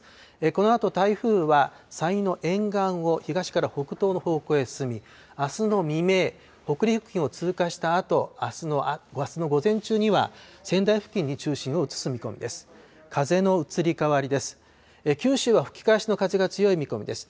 このあと台風は山陰の沿岸を東から北東の方向へ進み、あすの未明、北陸付近を通過したあと、あすの午前中には仙台付近に中心を移す見込みです。